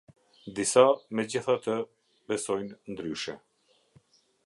Disa, megjithatë, besojnë ndryshe.